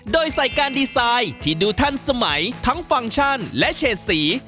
โดยใส่การดีไซน์ที่ดูทันสมัยทั้งฟังก์ชั่นและเฉดสี